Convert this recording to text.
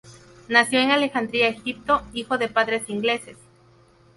Nació en Alejandría, Egipto, hijo de padres ingleses.